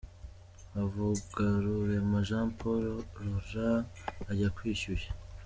Havugarurema Jean Paul Ralo ajya kwishyushya